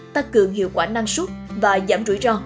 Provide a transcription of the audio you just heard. tăng cường hiệu quả năng suất và giảm rủi ro